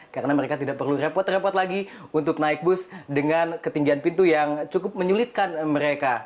karena mereka tidak perlu repot repot lagi untuk naik bus dengan ketinggian pintu yang cukup menyulitkan mereka